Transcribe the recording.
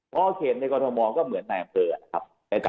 พอเคในกรทมก็เหมือนนายมเตอร์ในการตรวจ